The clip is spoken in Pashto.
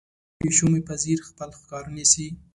پیشو مې په ځیر خپل ښکار نیسي.